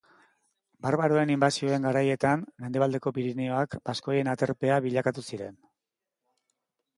Barbaroen inbasioen garaietan mendebaldeko Pirinioak baskoien aterpea bilakatu ziren.